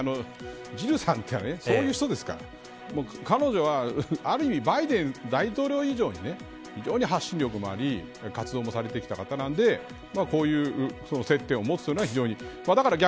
特にジルさんという人はそういう人ですから彼女は、ある意味バイデン大統領以上に非常に発信力もあり活動もされてきた方なのでこういう接点を持つというのは、非常に。